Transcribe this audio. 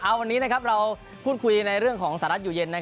เอาวันนี้นะครับเราพูดคุยในเรื่องของสหรัฐอยู่เย็นนะครับ